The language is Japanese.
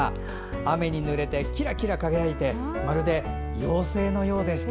雨にぬれてきらきら輝いてまるで妖精のようでした。